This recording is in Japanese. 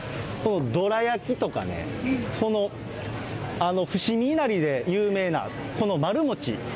どら焼きとかね、この伏見稲荷で有名な、この丸餅。